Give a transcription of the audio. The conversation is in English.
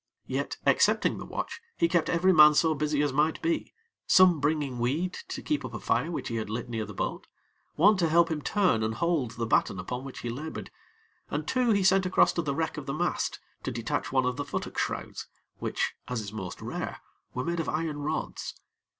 Yet, excepting the watch, he kept every man so busy as might be, some bringing weed to keep up a fire which he had lit near the boat; one to help him turn and hold the batten upon which he labored; and two he sent across to the wreck of the mast, to detach one of the futtock shrouds, which (as is most rare) were made of iron rods.